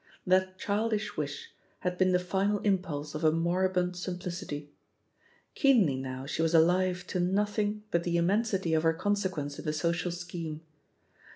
That childish wish had been the final impulse of a moribund simplicity. Keenly now she was alive to nothing but the im mensity of her consequence in the social scheme.